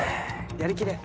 やり切れ。